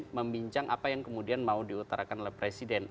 atau kemudian apa yang mau diutarkan oleh presiden